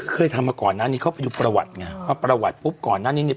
เคยทำมาก่อนหน้านี้เข้าไปดูประวัติไงพอประวัติปุ๊บก่อนหน้านี้เนี่ย